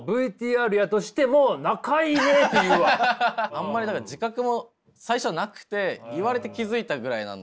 あんまり自覚も最初はなくて言われて気付いたぐらいなんで。